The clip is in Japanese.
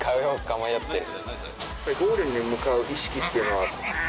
ゴールに向かう意識っていうのは？